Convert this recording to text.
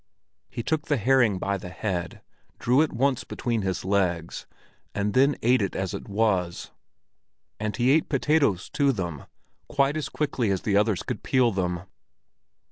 He took the herring by the head, drew it once between his legs, and then ate it as it was; and he ate potatoes to them, quite as quickly as the others could peel them.